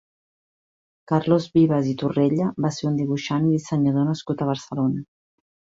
Carlos Vives i Torrella va ser un dibuixant i dissenyador nascut a Barcelona.